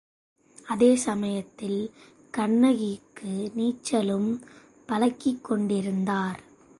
அதே சமயத்தில் கண்ணகிக்கு நீச்சலும் பழக்கிக்கொண்டிருந்தார்.